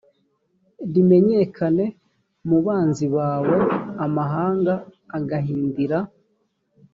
rimenyekane mu banzi bawe amahanga agahindira